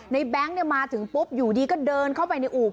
แบงค์มาถึงปุ๊บอยู่ดีก็เดินเข้าไปในอู่